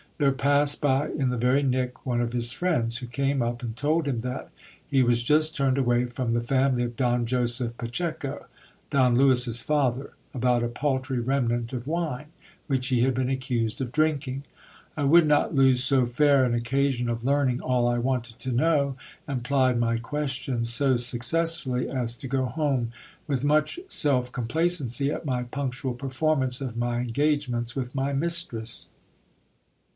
There passed by in the very nick one of his friends, who came up and told him that he was just turned away from the fanily of Don Joseph Pacheco, Don Lewis's father, about a paltry remnant of wine, which he had been accused of drinking. I would not lose so fair an oc casion of learning all I wanted to know, and plied my questions so successfully as to go home with much self complacency, at my punctual performance of my engagements with my mistress.